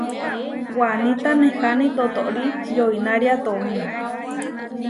Waníta neháni totóri yoinária tomí.